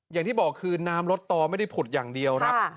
อย่างที่บอกคือน้ำลดต่อไม่ได้ผุดอย่างเดียวครับ